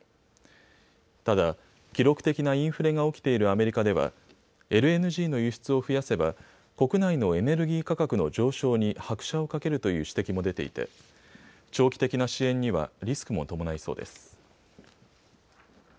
ただ、記録的なインフレが起きているアメリカではＬＮＧの輸出を増やせば国内のエネルギー価格の上昇に拍車をかけるという指摘も出ていて長期的な支援にはリスクも伴いそうです。